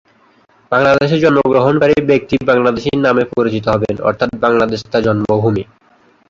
বাংলাদেশে জন্মগ্রহণকারী ব্যক্তি বাংলাদেশী নামে পরিচিত হবেন অর্থাৎ বাংলাদেশ তাঁর জন্মভূমি।